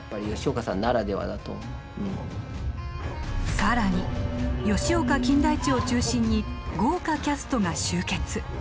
さらに吉岡「金田一」を中心に豪華キャストが集結。